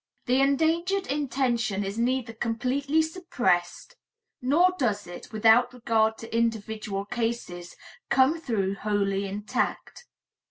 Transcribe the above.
The endangered intention is neither completely suppressed nor does it, without regard to individual cases, come through wholly intact.